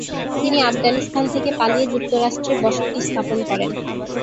তিনি আফগানিস্তান থেকে পালিয়ে যুক্তরাষ্ট্রে বসতি স্থাপন করেন।